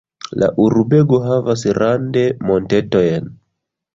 La urbego havas rande montetojn.